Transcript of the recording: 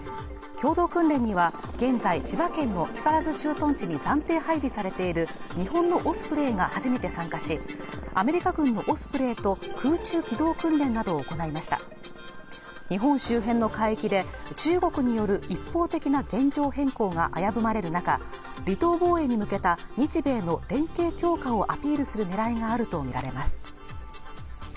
共同訓練には現在千葉県の木更津駐屯地に暫定配備されている日本のオスプレイが初めて参加しアメリカ軍のオスプレイと空中機動訓練などを行いました日本周辺の海域で中国による一方的な現状変更が危ぶまれる中離島防衛に向けた日米の連携強化をアピールするねらいがあると見られます